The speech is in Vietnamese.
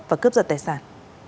và cướp giật tài sản